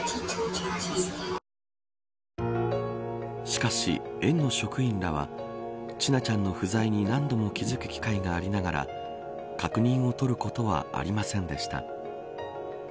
しかし、園の職員らは千奈ちゃんの不在に何度も気付く機会がありながら確認を取ることはありませんでした。